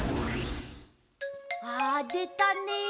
あでたね！